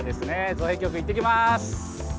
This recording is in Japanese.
造幣局行ってきます。